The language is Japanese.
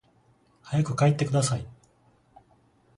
早く帰ってください